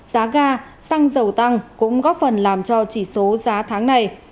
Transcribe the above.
giá ga xăng dầu tăng cũng góp phần làm cho chỉ số giá tháng này